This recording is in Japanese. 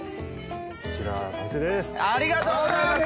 こちら完成です。